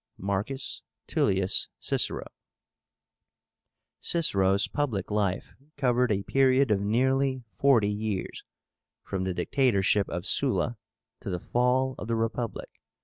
MARCUS TULLIUS CICERO. CICERO'S public life covered a period of nearly forty years, from the dictatorship of Sulla to the fall of the Republic.